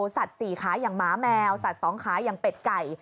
สัตว์สี่ขายอย่างหมาแมวสัตว์สองขายอย่างเป็ดไก่